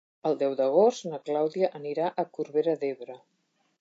El deu d'agost na Clàudia anirà a Corbera d'Ebre.